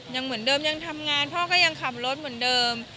ยังเหมือนเดิมยังทำงานพ่อก็ยังขับรถเหมือนเดิม